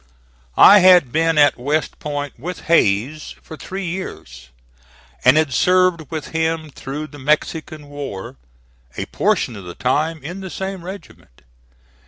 I had been at West Point with Hays for three years, and had served with him through the Mexican war, a portion of the time in the same regiment.